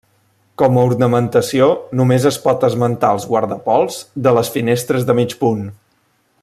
Com a ornamentació només es pot esmentar els guardapols de les finestres de mig punt.